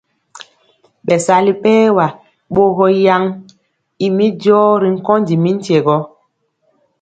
Bɛsali bɛɛr wa bogɔ yan ymi jɔɔ ri nkondi mi tyegɔ.